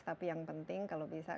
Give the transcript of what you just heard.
tapi yang penting kalau bisa